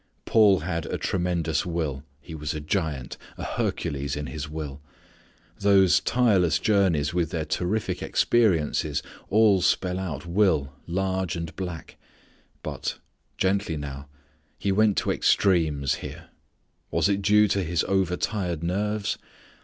Paul had a tremendous will. He was a giant, a Hercules in his will. Those tireless journeys with their terrific experiences, all spell out will large and black. But, gently now, he went to extremes here. Was it due to his overtired nerves?